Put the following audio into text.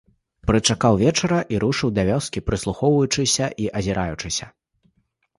Прычакаў вечара і рушыў да вёскі, прыслухоўваючыся і азіраючыся.